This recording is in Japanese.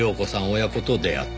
親子と出会った。